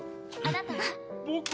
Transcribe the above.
あなたは？